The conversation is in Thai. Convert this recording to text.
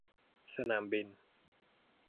สนามบิน